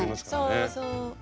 そうそう。